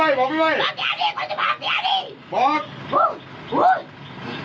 ไปเป็นทิวัฒน์ไปเถอะเลยมาพอไว้ไว้